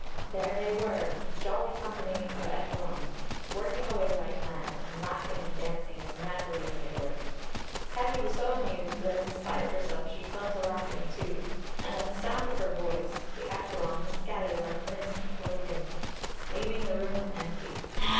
There they were, a jolly company of ellyllon, working away like mad, and laughing and dancing as madly as they worked. Catti was so amused that in spite of herself she fell to laughing too; and at sound of her voice the ellyllon scattered like mist before the wind, leaving the room empty.